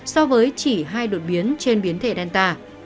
so với chỉ hai đột biến trên biến thể danta